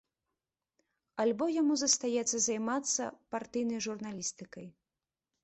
Альбо яму застаецца займацца партыйнай журналістыкай.